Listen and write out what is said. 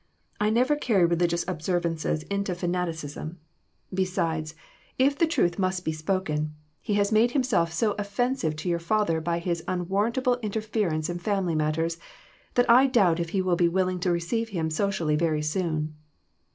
I never carry religious observances into fanati 314 EMBARRASSING QUESTIONS. cism ; beside, if the truth must be spoken, he has made himself so offensive to your father by his unwarrantable interference in family matteVs that I doubt if he will be willing to receive him socially very soon."